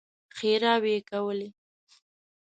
ښېراوې يې کولې.